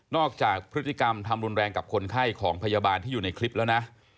จากพฤติกรรมทำรุนแรงกับคนไข้ของพยาบาลที่อยู่ในคลิปแล้วนะ